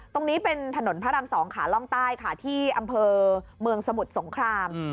ตรงนี้เป็นถนนพระราม๒ขาล่องใต้ค่ะที่อำเภอเมืองสมุทรสงคราม